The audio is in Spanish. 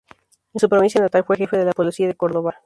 En su provincia natal fue jefe de la Policía de Córdoba.